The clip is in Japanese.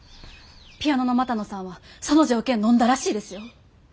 ピアノの股野さんはその条件のんだらしいですよ。